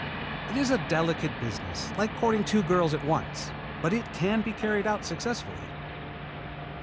It is a delicate business, like courting two girls at once, but it can be carried out successfully.